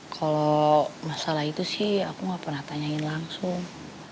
kalau masalah itu sih aku nggak pernah tanyain langsung